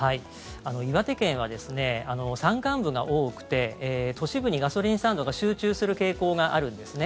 岩手県は山間部が多くて都市部にガソリンスタンドが集中する傾向があるんですね。